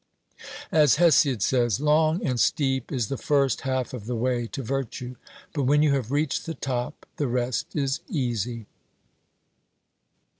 As Hesiod says: 'Long and steep is the first half of the way to virtue, But when you have reached the top the rest is easy.'